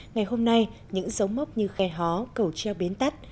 ngày hôm nay những giống mốc như khe hó cầu treo bến tắt